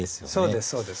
そうですそうです。